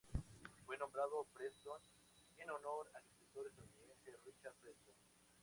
Fue nombrado Preston en honor al escritor estadounidense Richard Preston.